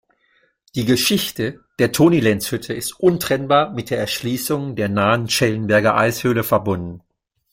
Die Geschichte der Toni-Lenz-Hütte ist untrennbar mit der Erschließung der nahen Schellenberger Eishöhle verbunden.